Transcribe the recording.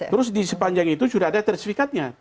terus di sepanjang itu sudah ada sertifikatnya